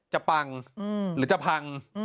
ปังหรือจะพัง